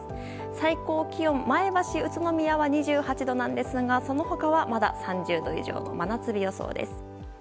最高気温前橋、宇都宮は２８度ですがその他は、まだ３０度以上の真夏日予想です。